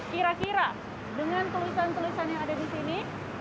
kira kira dengan tulisan tulisan yang ada di sini